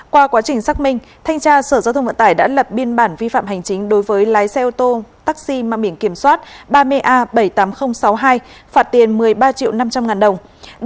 qua quá trình xác minh thanh tra sở giao thông vận tải đã lập biên bản vi phạm hành chính đối với lái xe ô tô taxi mang biển kiểm soát ba mươi a bảy mươi tám nghìn sáu mươi hai phạt tiền một mươi ba triệu năm trăm linh ngàn đồng